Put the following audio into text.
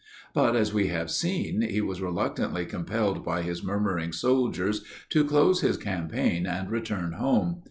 But, as we have seen, he was reluctantly compelled by his murmuring soldiers to close his campaign and return home.